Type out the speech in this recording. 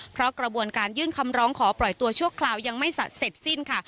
เพราะกระบวนการยื่นคำร้องขอปล่อยตัวชั่วคราวยังไม่เสร็จสิ้นค่ะ